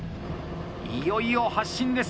いよいよ発進です。